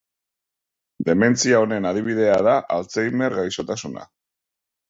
Dementzia honen adibidea da Alzheimer gaixotasuna.